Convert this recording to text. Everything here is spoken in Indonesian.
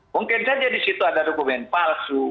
mungkin saja disitu ada dokumen palsu